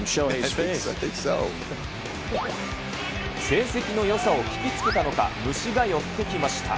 成績のよさを聞きつけたのか、虫が寄ってきました。